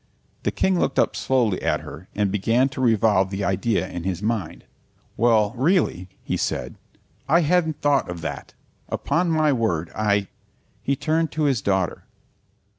The King looked up slowly at her and began to revolve the idea in his mind. "Well, really," he said, "I hadn't thought of that. Upon my word, I " He turned to his daughter.